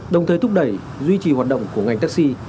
đồng thời thúc đẩy duy trì hoạt động của ngành taxi